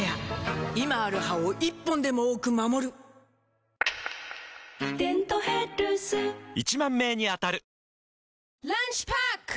今ある歯を１本でも多く守る「デントヘルス」１０，０００名に当たる！